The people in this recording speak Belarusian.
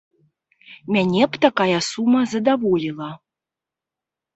Мяне б такая сума задаволіла.